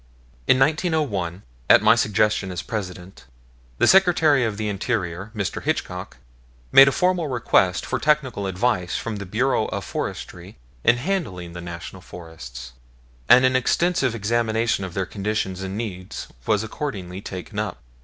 In 1901, at my suggestion as President, the Secretary of the Interior, Mr. Hitchcock, made a formal request for technical advice from the Bureau of Forestry in handling the National Forests, and an extensive examination of their condition and needs was accordingly taken up.